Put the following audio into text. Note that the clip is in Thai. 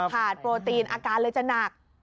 โปรตีนอาการเลยจะหนัก